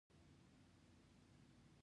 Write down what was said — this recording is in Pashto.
آیا د پښتنو په کلتور کې د نوم ساتل مهم نه دي؟